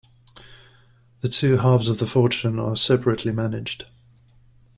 The two halves of the fortune are separately managed.